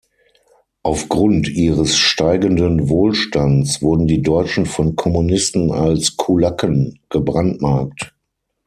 Aufgrund ihres steigenden Wohlstands wurden die Deutschen von Kommunisten als „Kulaken“ gebrandmarkt.